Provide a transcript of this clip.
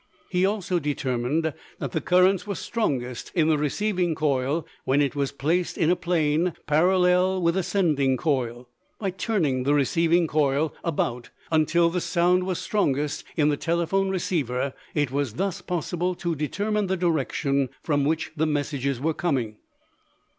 He also determined that the currents were strongest in the receiving coil when it was placed in a plane parallel with the sending coil. By turning the receiving coil about until the sound was strongest in the telephone receiver, it was thus possible to determine the direction from which the messages were coming.